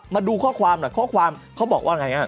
มาดูข้อความหน่อยข้อความเขาบอกว่าไงฮะ